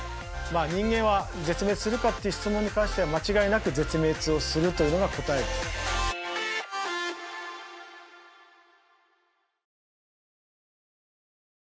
人間は絶滅するかっていう質問に関しては間違いなく絶滅をするというのが答えです。